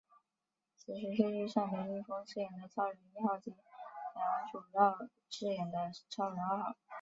此时却遇上林一峰饰演的超人一号及梁祖尧饰演的超人二号。